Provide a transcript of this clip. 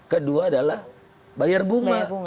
kedua adalah bayar bunga